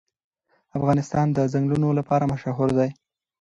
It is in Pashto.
افغانستان د چنګلونه لپاره مشهور دی.